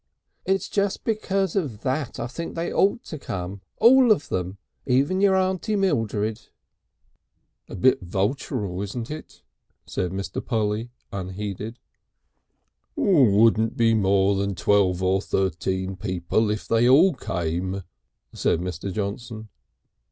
It's just because of that I think they ought to come all of them even your Aunt Mildred." "Bit vulturial, isn't it?" said Mr. Polly unheeded. "Wouldn't be more than twelve or thirteen people if they all came," said Mr. Johnson.